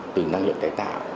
từ năng lượng tài tạo